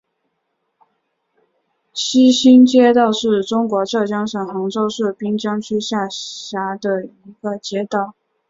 西兴街道是中国浙江省杭州市滨江区下辖的一个街道。